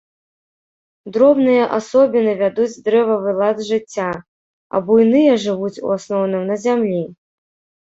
Дробныя асобіны вядуць дрэвавы лад жыцця, а буйныя жывуць у асноўным на зямлі.